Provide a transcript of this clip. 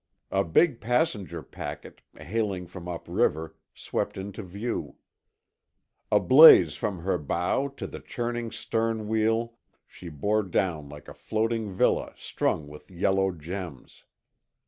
A big passenger packet, hailing from up river, swept into view. Ablaze from her bow to the churning stern wheel she bore down like a floating villa strung with yellow gems.